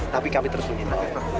tapi kami terus mencintai